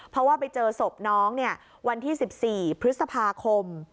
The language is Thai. เพราะว่าไปเจอศพน้องวันที่๑๔พฤษภาคม